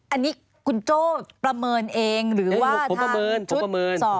อันนี้คุณโจ้ประเมินเองหรือว่าประเมินชุดสอบ